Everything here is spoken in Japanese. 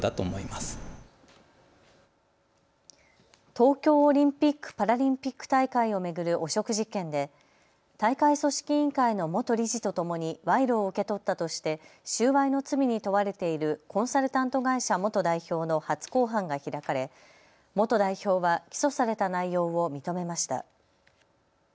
東京オリンピック・パラリンピック大会を巡る汚職事件で大会組織委員会の元理事とともに賄賂を受け取ったとして収賄の罪に問われているコンサルタント会社元代表の初公判が開かれ元代表は起訴された内容を認めました。